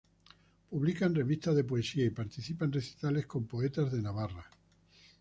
Publica en revistas de poesía y participa en recitales con poetas de Navarra.